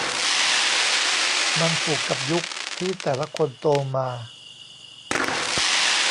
มันผูกกับยุคที่แต่ละคนโตมา